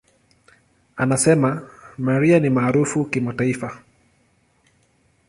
Anasema, "Mariah ni maarufu kimataifa.